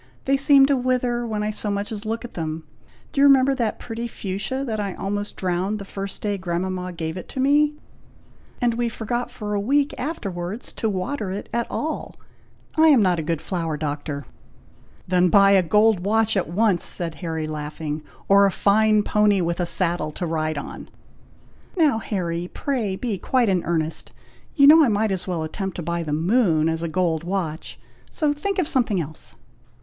They seem to wither when I so much as look at them. Do you remember that pretty fuchsia that I almost drowned the first day grandmama gave it me; and we forgot for a week afterwards to water it at all. I am not a good flower doctor." "Then buy a gold watch at once," said Harry, laughing; "or a fine pony, with a saddle, to ride on." "Now, Harry, pray be quite in earnest. You know I might as well attempt to buy the moon as a gold watch; so think of something else."